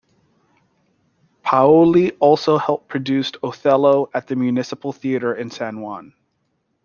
Paoli also helped produce "Othello" at the Municipal Theater in San Juan.